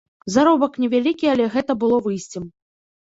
Заробак невялікі, але гэта было выйсцем.